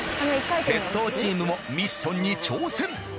鉄道チームもミッションに挑戦。